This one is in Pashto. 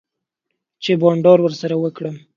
چی بانډار ورسره وکړم